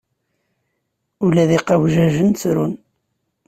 Ula d iqawjajen ttrun.